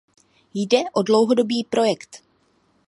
Jde o dlouhodobý projekt.